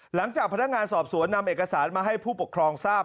หลังจากพนักงานสอบสวนนำเอกสารมาให้ผู้ปกครองทราบ